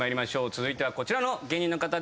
続いてはこちらの芸人の方です。